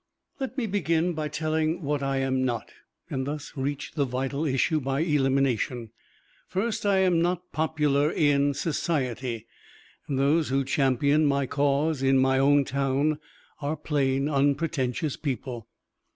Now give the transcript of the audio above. Let me begin by telling what I am not, and thus reach the vital issue by elimination. First, I am not popular in "Society," and those who champion my cause in my own town are plain, unpretentious people.